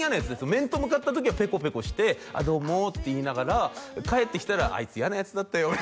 面と向かった時はぺこぺこして「ああどうも」って言いながら帰ってきたら「あいつ嫌なヤツだったよね」